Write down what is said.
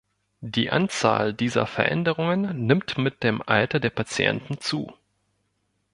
Die Anzahl dieser Veränderungen nimmt mit dem Alter der Patienten zu.